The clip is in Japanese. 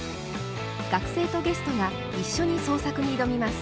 学生とゲストが一緒に創作に挑みます。